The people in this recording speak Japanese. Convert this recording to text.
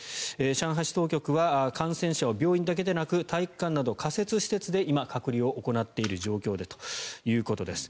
上海市当局は感染者を病院だけでなく体育館など仮設施設で今、隔離を行っている状況だということです。